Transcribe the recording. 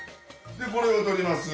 でこれを取ります。